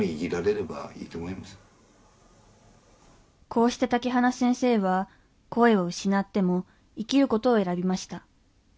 こうして竹花先生は声を失っても生きることを選びました。